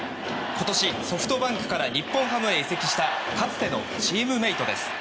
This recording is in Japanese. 今年、ソフトバンクから日本ハムへ移籍したかつてのチームメートです。